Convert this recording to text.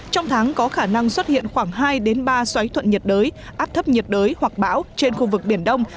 trong tháng có khả năng xuất hiện khoảng hai ba xoáy thuận nhiệt đới áp thấp nhiệt đới hoặc bão trên khu vực biển đông